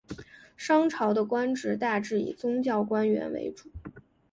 商朝的官职大致以宗教官员为主。